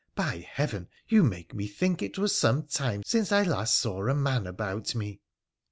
By Heaven ! you make me think it was some time since I last saw a man about me.'